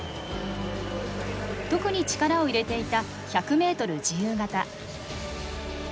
特に力を入れていた１００ｍ自由形。